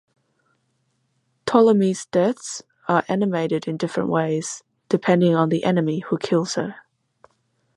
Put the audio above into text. Ptolemy's deaths are animated in different ways, depending on the enemy who kills her.